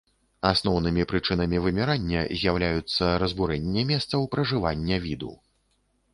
Асноўнымі прычынамі вымірання з'яўляюцца разбурэнне месцаў пражывання віду.